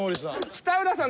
北浦さん